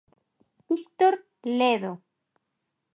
Víctor Ledo.